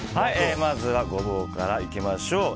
まずはゴボウからいきましょう。